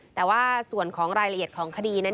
แต่ว่าส่วนของรายละเอียดของคดีนั้น